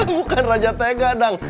bukan raja tega dang